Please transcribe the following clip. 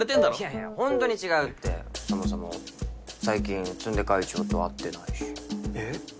いやいや本当に違うってそもそも最近詰出会長と会ってないしえっ？